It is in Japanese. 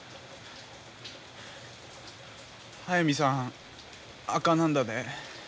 速水さんあかなんだで。